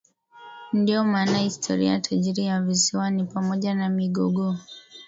Ndio maana historia tajiri ya visiwa ni pamoja na migogoo